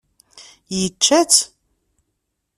Yečča-tt?